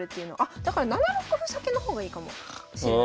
だから７六歩先の方がいいかもしれないですね。